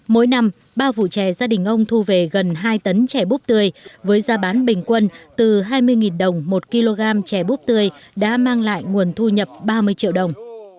mỗi năm ba vụ trè gia đình ông thu về gần hai tấn trẻ búp tươi với giá bán bình quân từ hai mươi đồng một kg trẻ búp tươi đã mang lại nguồn thu nhập ba mươi triệu đồng